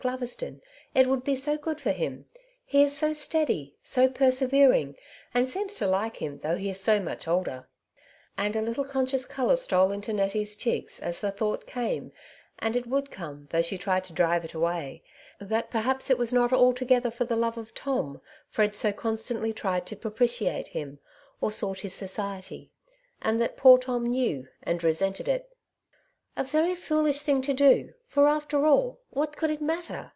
Glaveston, it would be so good for him ; he is so steady, so persevering, and seems to like him, though he is so much older '^— and a little conscious colour stole into Nettie's cheeks as the thought came (and it would come, though she tried to drive it away) that perhaps it was not altogether for the love of Tom, Fred so constantly tried to propitiate him, or sought his society; and that poor Tom knew, and re sented it. " A very foolish thing to do, for after all what could it matter